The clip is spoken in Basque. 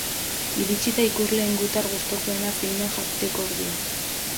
Iritsi da ikusleen gutar gustukoena zein den jakiteko ordua.